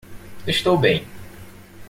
Estou bem.